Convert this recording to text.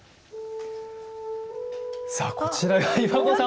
さあこちらが岩合さん